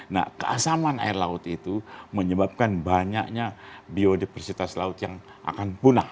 nah keasaman air laut itu menyebabkan banyaknya biodiversitas laut yang akan punah